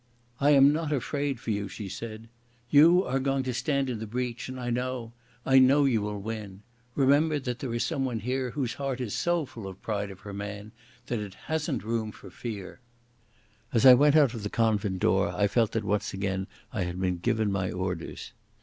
"I am not afraid for you," she said. "You are going to stand in the breach, and I know—I know you will win. Remember that there is someone here whose heart is so full of pride of her man that it hasn't room for fear." As I went out of the convent door I felt that once again I had been given my orders.